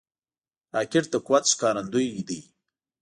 راکټ د قوت ښکارندوی ده